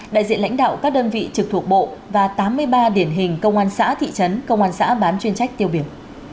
đại diện lãnh đạo các đơn vị trực thuộc bộ và tám mươi ba điển hình công an xã thị trấn công an xã bán chuyên trách tiêu biểu